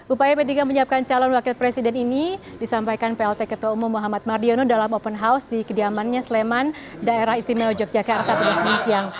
upaya p tiga menyiapkan calon wakil presiden ini disampaikan plt ketua umum muhammad mardiono dalam open house di kediamannya sleman daerah istimewa yogyakarta pada senin siang